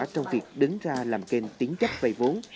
trong việc đứng ra làm kênh tiến trách vây vốn